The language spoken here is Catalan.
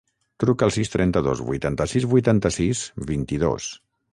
Truca al sis, trenta-dos, vuitanta-sis, vuitanta-sis, vint-i-dos.